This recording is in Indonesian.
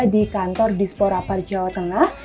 di kantor disporapar jawa tengah